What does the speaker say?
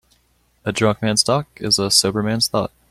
A drunk man's talk is a sober man's thought.